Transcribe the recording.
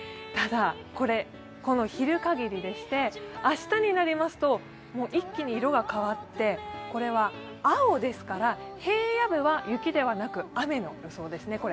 ただ、これはこの昼限りでして、明日になりますと一気に色が変わって青ですから、平野部は雪ではなく雨の予報ですね。